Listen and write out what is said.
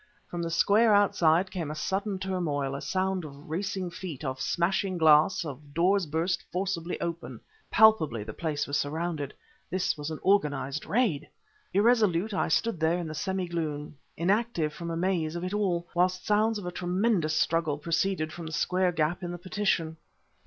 From the square outside came a sudden turmoil, a sound of racing feet, of smashing glass, of doors burst forcibly open. Palpably, the place was surrounded; this was an organized raid. Irresolute, I stood there in the semi gloom inactive from amaze of it all whilst sounds of a tremendous struggle proceeded from the square gap in the partition.